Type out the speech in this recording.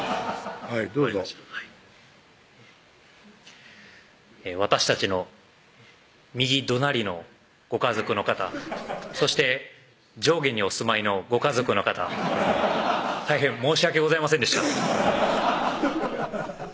はいどうぞ分かりました私たちの右隣のご家族の方そして上下にお住まいのご家族の方大変申し訳ございませんでしたブーッ！